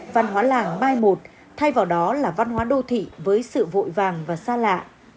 văn hóa làng mai một thay vào đó là văn hóa đô thị với sự vội vàng và xa lạ